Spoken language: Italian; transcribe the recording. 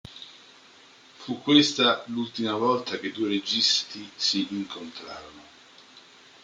Fu questa l'ultima volta che i due registi si incontrarono.